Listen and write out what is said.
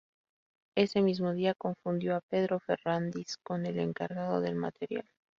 Ese mismo día confundió a Pedro Ferrándiz con el encargado del material.